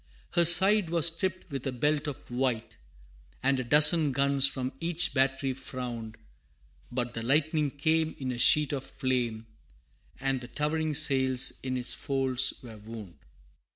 Her side was striped with a belt of white, And a dozen guns from each battery frowned, But the lightning came in a sheet of flame,[B] And the towering sails in its folds were wound.